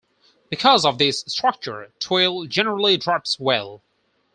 Because of this structure, twill generally drapes well.